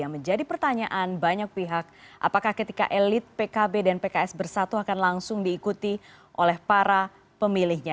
menjadi pertanyaan banyak pihak apakah ketika elit pkb dan pks bersatu akan langsung diikuti oleh para pemilihnya